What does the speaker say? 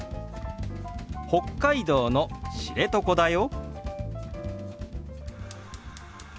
「北海道の知床だよ」。